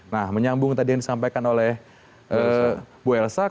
nah menyambung tadi yang disampaikan oleh bu elsa